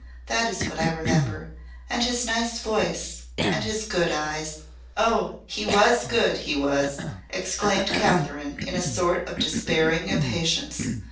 That is what I remember. And his nice voice and his good eyes." "Oh! he was good! He was!" exclaimed Kathryn in a sort of despairing impatience.